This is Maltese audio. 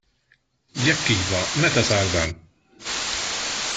Jekk iva, meta sar dan?